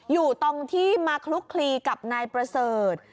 อยู่ตรงที่มาคลุกคลีกับนายประเสริฐ